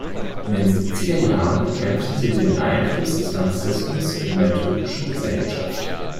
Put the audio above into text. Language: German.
In den siebziger Jahren bekämpften sie den Einfluss des Marxismus in der türkischen Gesellschaft.